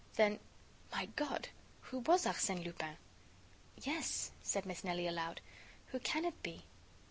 Then, my God, who was Arsène Lupin? "Yes," said Miss Nelly, aloud, "who can it be?"